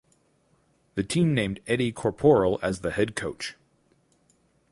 The team named Eddie Corporal as the head coach.